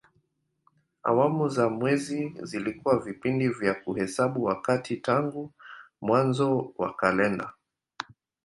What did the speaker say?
Awamu za mwezi zilikuwa vipindi vya kuhesabu wakati tangu mwanzo wa kalenda.